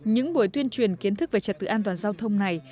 những buổi tuyên truyền kiến thức về trật tự an toàn giao thông này